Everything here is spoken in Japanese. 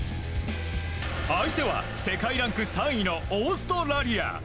相手は世界ランク３位のオーストラリア。